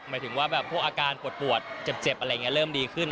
หมายถึงว่าแบบพวกอาการปวดเจ็บอะไรอย่างนี้เริ่มดีขึ้น